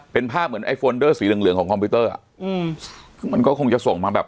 เป็นภาพเหมือนไอฟอนเดอร์สีเหลืองเหลืองของคอมพิวเตอร์อ่ะอืมมันก็คงจะส่งมาแบบ